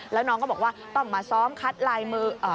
แล้วน้องก็บอกว่าต้องมาซ้อมคัดลายมือ